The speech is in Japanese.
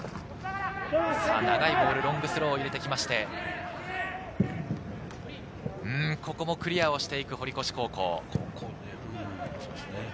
長いボール、ロングスローを入れてきまして、ここもクリアをする堀越高校。